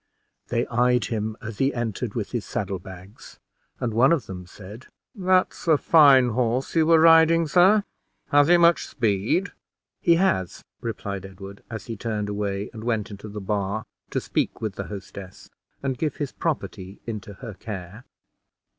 They eyed him as he entered with his saddle bags, and one of them said "That's a fine horse you were riding, sir. Has he much speed?" "He has," replied Edward, as he turned away and went into the bar to speak with the hostess, and give his property into her care.